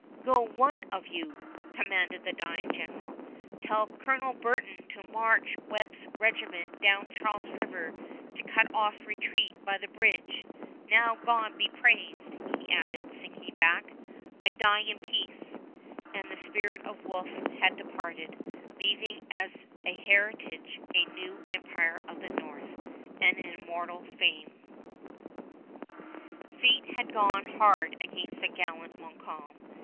"Go, one of you," commanded the dying general; "tell Colonel Burton to march Webb's regiment down Charles River to cut off retreat by the bridge. Now God be praised!" he added, sinking back; "I die in peace!" And the spirit of Wolfe had departed, leaving as a heritage a New Empire of the North, and an immortal fame. [Illustration: DEATH OF WOLFE (From the painting by Benjamin West)] Fate had gone hard against the gallant Montcalm.